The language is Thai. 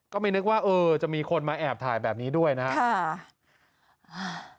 ก็ไม่นึกว่าเออจะมีคนมาแอบถ่ายแบบนี้ด้วยนะครับ